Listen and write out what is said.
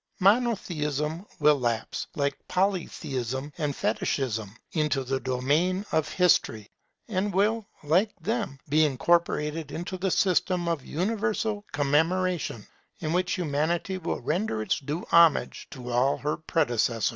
Monotheism will lapse like Polytheism and Fetichism, into the domain of history; and will, like them, be incorporated into the system of universal commemoration, in which Humanity will render due homage to all her predecessors.